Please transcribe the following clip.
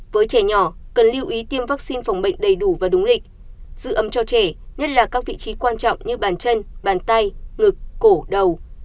với trẻ nhỏ cần lưu ý tiêm vaccine phòng bệnh đầy đủ và đúng lịch giữ ấm cho trẻ nhất là các vị trí quan trọng như bàn chân bàn tay ngực cổ đầu